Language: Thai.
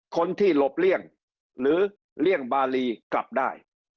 คนที่หลบเลี่ยงหรือเลี่ยงบารีกลับได้